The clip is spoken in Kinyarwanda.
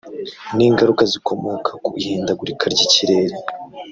n’ingaruka zikomoka ku ihindagurika ry’ikirere